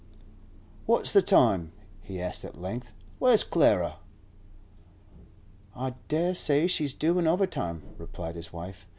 'What's the time?' he asked at length. 'Where's Clara?' 'I daresay she's doin' overtime,' replied his wife.